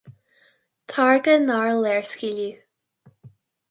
táirge nár léirscaoileadh